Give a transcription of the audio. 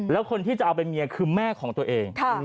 แล้วคนที่จะเอาเป็นเมียคือแม่ของตัวเอง